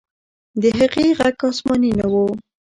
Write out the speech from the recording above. د هغې ږغ آسماني نه و.